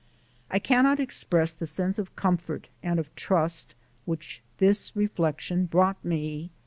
I cannot express the sense of comfort, and of trust, which this reflection brought me.